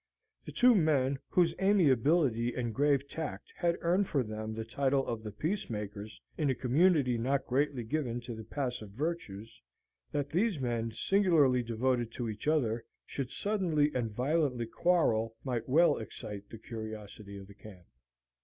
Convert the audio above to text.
That two men, whose amiability and grave tact had earned for them the title of "The Peacemakers," in a community not greatly given to the passive virtues, that these men, singularly devoted to each other, should suddenly and violently quarrel, might well excite the curiosity of the camp.